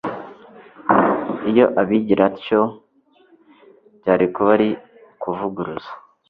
iyo abigira atyo, byari kuba ari ukuvuguruza